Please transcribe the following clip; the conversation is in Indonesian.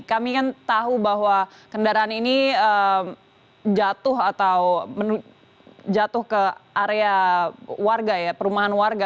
kami kan tahu bahwa kendaraan ini jatuh atau jatuh ke area warga ya perumahan warga